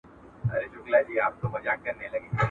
باغ او باغچه به ستا وي.